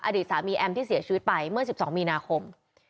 อดีตสามีแอมที่เสียชีวิตไปเมื่อ๑๒มีนาคม